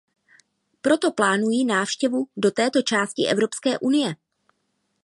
Proto plánuji návštěvu do této části Evropské unie.